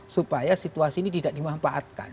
supaya situasi ini tidak dimanfaatkan